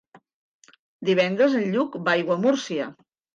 Divendres en Lluc va a Aiguamúrcia.